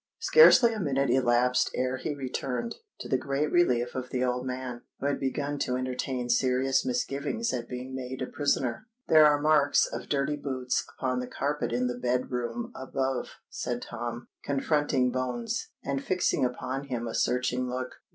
Scarcely a minute elapsed ere he returned—to the great relief of the old man, who had begun to entertain serious misgivings at being made a prisoner. "There are marks of dirty boots upon the carpet in the bed room above," said Tom, confronting Bones, and fixing upon him a searching look.